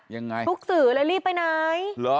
ภูมิทรุขสื่อแล้วรีบไปไหน